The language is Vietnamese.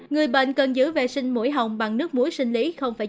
người bệnh cần giữ vệ sinh mũi hồng bằng nước muối sinh lý chín